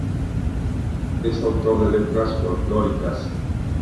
Es autor de letras folclóricas.